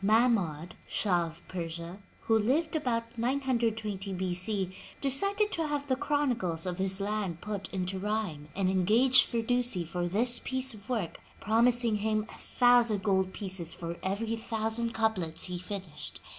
Mahmoud, Shah of Persia, who lived about 920 B. C, decided to have the chronicles of his land put into rhyme, and engaged Firdusi for this piece of work, promising him a thousand gold pieces for every thousand couplets he finished.